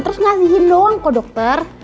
terus ngasihin doang kok dokter